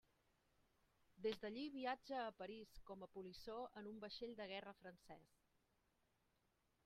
Des d'allí viatja a París com a polissó en un vaixell de guerra francès.